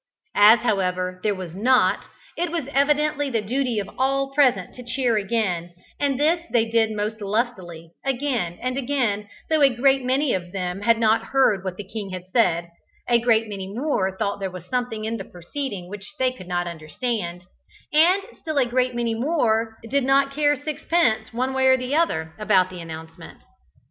As, however, there was not, it was evidently the duty of all present to cheer again, and this they did most lustily, again and again, though a great many of them had not heard what the king had said, a great many more thought there was something in the proceeding which they could not understand, and still a great many more did not care sixpence, one way or other, about the announcement.